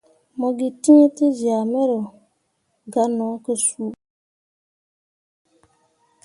Mo gǝ tǝ̃ǝ̃ tezyah mero, gah no ke suu bo cok dan.